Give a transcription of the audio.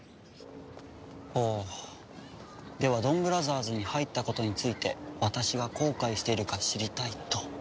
ほうではドンブラザーズに入ったことについて私が後悔しているか知りたいと？